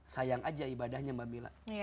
sayang aja ibadahnya mbak mila